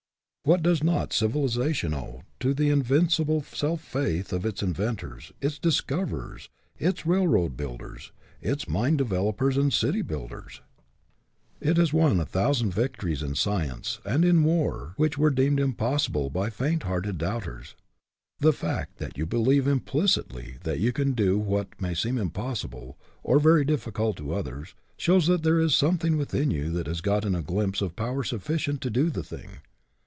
What does not civilization owe to the invincible self faith of its inventors, its discoverers, its railroad builders, its mine developers and city builders ? HE CAN WHO THINKS HE CAN 13 It has won a thousand victories in scienct and in war which were deemed impossible by faint hearted doubters. The fact that you believe implicitly that you can do what may seem impossible or very difficult to others, shows that there is some thing within you that has gotten a glimpse of power sufficient to do the thing.